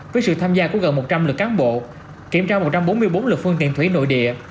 với sự tham gia của gần một trăm linh lượt cán bộ kiểm tra một trăm bốn mươi bốn lực phương tiện thủy nội địa